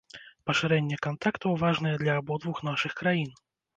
Пашырэнне кантактаў важнае для абодвух нашых краін.